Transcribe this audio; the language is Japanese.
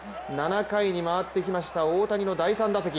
７回に回ってきました大谷の第３打席。